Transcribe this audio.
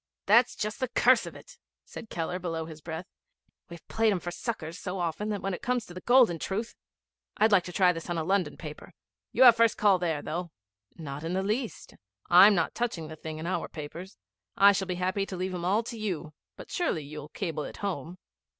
'That's just the curse of it,' said Keller below his breath. 'We've played 'em for suckers so often that when it comes to the golden truth I'd like to try this on a London paper. You have first call there, though.' 'Not in the least. I'm not touching the thing in our papers. I shall be happy to leave 'em all to you; but surely you'll cable it home?'